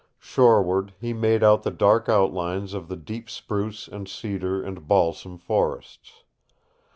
Shoreward he made out the dark outlines of the deep spruce and cedar and balsam forests.